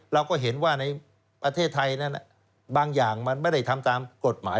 เราก็เห็นว่าในประเทศไทยนั้นบางอย่างมันไม่ได้ทำตามกฎหมาย